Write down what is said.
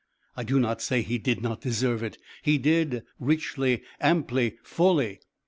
I do not say he did not deserve it he did, richly, amply, fully.